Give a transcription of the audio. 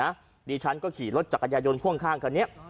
ที่ผ่านมาเนี่ยนะดีชั้นก็ขี่รถจักรยายนข้างกันเนี่ย